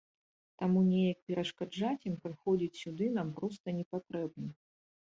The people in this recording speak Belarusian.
Таму неяк перашкаджаць ім прыходзіць сюды нам проста не патрэбна.